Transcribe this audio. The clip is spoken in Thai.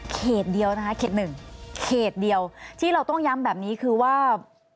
เขตเดียวนะคะเขตหนึ่งเขตเดียวที่เราต้องย้ำแบบนี้คือว่า